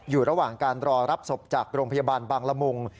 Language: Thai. อยู่ระหว่างการรอรับศพจากโรงพยาบาลบางละมุง